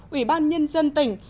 ủy ban nhân dân tỉnh